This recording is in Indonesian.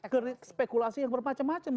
ke spekulasi yang bermacam macam